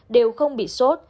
đều không bị sốt